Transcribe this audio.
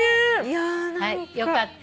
よかった。